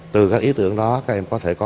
từ các ý tưởng đó các em có thể cung cấp